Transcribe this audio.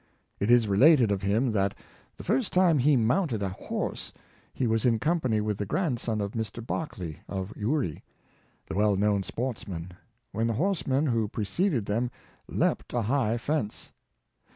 It is related of him that the first time he mounted a horse he was in company with the grandson of Mr. Barclay, of Ury, the well known sportsman, when the horseman who preceded them leaped a high fence.